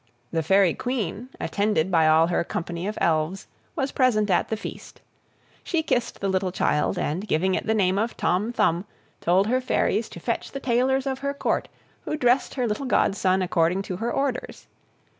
The Fairy Queen, attended by all her company of elves, was present at the feast. She kissed the little child, and, giving it the name of Tom Thumb, told her fairies to fetch the tailors of her Court, who dressed her little godson according to her orders.